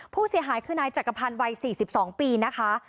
ผู้เสียหายคือนายจักรพันธ์วัย๔๒ปีนะคะ